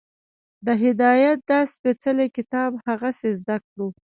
د هدایت دا سپېڅلی کتاب هغسې زده کړو